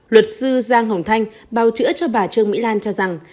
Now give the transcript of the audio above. luật sư giang hồng thanh bào chữa cho bà trương mỹ lan cho rằng